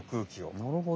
なるほど。